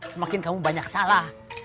semakin kamu banyak salah